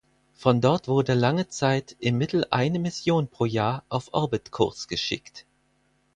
Von dort wurde lange Zeit im Mittel eine Mission pro Jahr auf Orbitkurs geschickt.